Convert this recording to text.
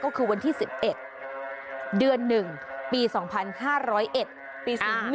ก็คือวันที่๑๑เดือน๑ปี๒๕๐๑ปี๔๑